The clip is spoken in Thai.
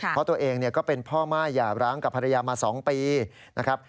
เพราะตัวเองก็เป็นพ่อม่ายหย่าร้างกับภรรยามา๒ปีนะครับ